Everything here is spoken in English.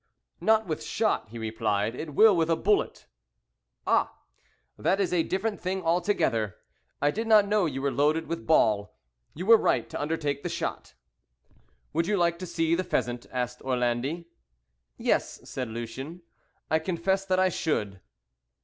"Not with shot," he replied; "it will with a bullet." "Ah! that is a different thing altogether. I did not know you were loaded with ball. You were right to undertake the shot." "Would you like to see the pheasant?" asked Orlandi. "Yes," said Lucien, "I confess that I should."